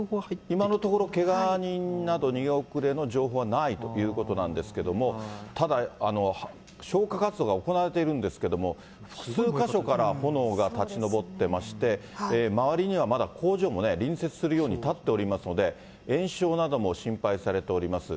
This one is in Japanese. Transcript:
今のところ、けが人など、逃げ遅れの情報はないということなんですけれども、ただ、消火活動が行われているんですけれども、数か所から炎が立ち上ってまして、周りにはまだ工場もね、隣接するように建っておりますので、延焼なども心配されております。